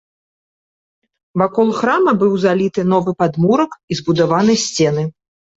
Вакол храма быў заліты новы падмурак і збудаваны сцены.